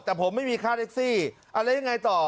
แต่ผมไม่มีค่าแท็กซี่แล้วยังไงต่อ